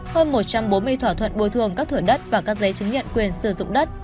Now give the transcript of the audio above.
hơn một trăm bốn mươi thỏa thuận bồi thường các thửa đất và các giấy chứng nhận quyền sử dụng đất